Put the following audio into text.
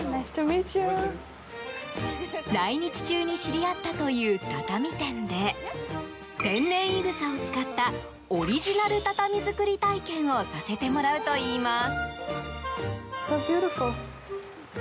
来日中に知り合ったという畳店で天然いぐさを使ったオリジナル畳作り体験をさせてもらうといいます。